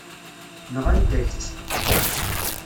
Nɣant-ak-tt.